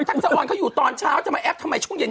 ทักษะออนเขาอยู่ตอนเช้าจะมาแอปทำไมช่วงเย็น